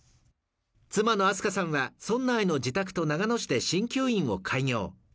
妻のあすかさんは、村内の自宅と長野市で鍼灸院を開業。